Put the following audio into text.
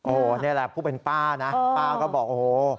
โอ้โหนี่แหละผู้เป็นป้านะป้าก็บอกโอ้โห